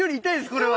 これは！